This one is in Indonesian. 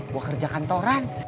gue kerja kantoran